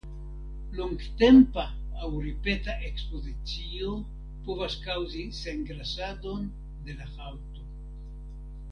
Longtempa aŭ ripeta ekspozicio povas kaŭzi sengrasadon de la haŭto.